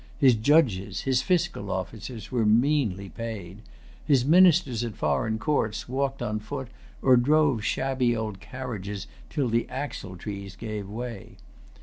His judges, his fiscal officers, were meanly paid. His ministers at foreign courts walked on foot, or drove shabby old carriages till the axletrees gave way.